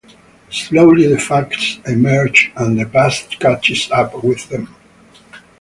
Slowly the facts emerge and the past catches up with them.